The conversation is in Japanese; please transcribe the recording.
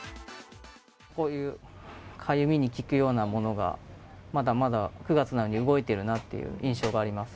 こういうかゆみに効くようなものが、まだまだ９月なのに動いているなという印象があります。